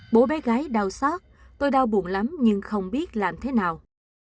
bố bé gái đau xót tôi đau buồn lắm nhưng không biết làm thế nào